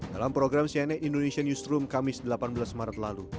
dalam program cnn indonesia newsroom kamis delapan belas maret lalu